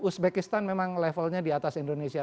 uzbekistan memang levelnya di atas indonesia